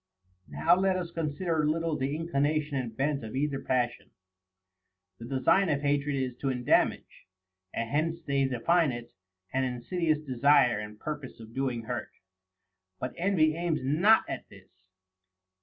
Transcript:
8. Now let us consider a little the inclination and bent of either passion. The design of hatred is to endamage ; and hence they define it, an insidious desire and purpose of doing hurt. But envy aims not at this.